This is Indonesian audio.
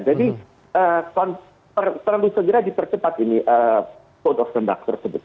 jadi terlalu segera dipercepat ini code of conduct tersebut